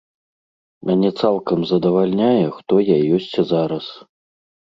Мяне цалкам задавальняе, хто я ёсць зараз.